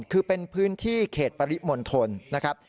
คือเป็นพื้นที่เขตปริมณฑลนะครับ